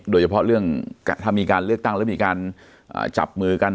โดยเฉพาะถ้ามีการเลือกตั้งและจับมือกัน